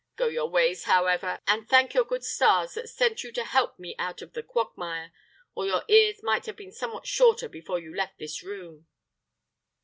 Go your ways, however; and thank your good stars that sent you to help me out of the quagmire, or your ears might have been somewhat shorter before you left this room."